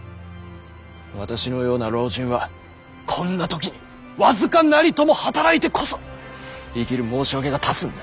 私のような老人はこんな時に僅かなりとも働いてこそ生きる申し訳が立つんだ。